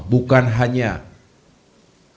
bukan hanya keluarga besar partai demokrasi